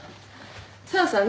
紗和さん。